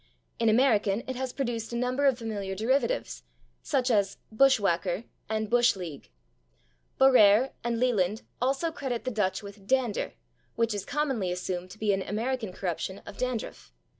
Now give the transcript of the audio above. In American it has produced a number of familiar derivatives, /e. g./, /bush whacker/ and /bush league/. Barrère and Leland also credit the Dutch with /dander/, which is commonly assumed to be an American corruption of /dandruff